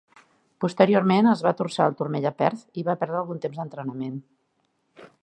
Posteriorment es va torçar el turmell a Perth i va perdre algun temps d'entrenament.